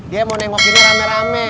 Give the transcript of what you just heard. dia mau nengokinnya rame rame